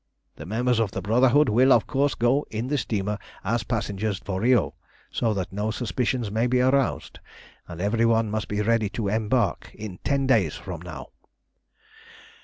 The members of the Brotherhood will, of course, go in the steamer as passengers for Rio, so that no suspicions may be aroused, and every one must be ready to embark in ten days from now.